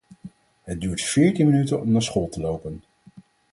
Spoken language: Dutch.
Het duurt veertien minuten om naar school te lopen.